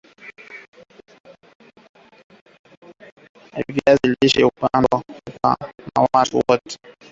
Viazi lishe hupendwa na watu wote